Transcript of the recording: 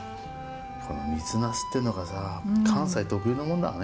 この水ナスっていうのがさ関西特有のものだよね。